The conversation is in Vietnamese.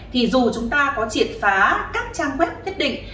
thì dù chúng ta có triệt phá các trang web nhất định